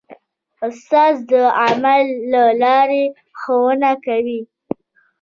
استاد د عمل له لارې ښوونه کوي.